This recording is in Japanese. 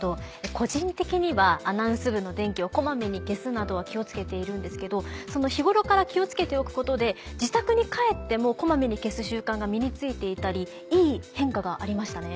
個人的にはアナウンス部の電気を小まめに消すなどは気を付けているんですけど日頃から気を付けておくことで自宅に帰っても小まめに消す習慣が身に付いていたりいい変化がありましたね。